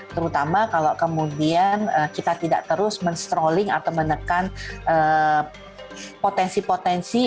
terutama kalau kemudian kita tidak terus men strolling atau menekan potensi potensi